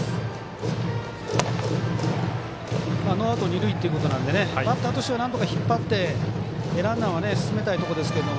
ノーアウト二塁っていうことなのでバッターとしてはなんとか引っ張ってランナーを進めたいところですが。